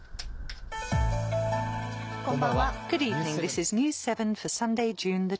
こんばんは。